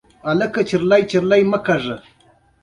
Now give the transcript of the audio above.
احتیاط د ژوند ضمانت دی.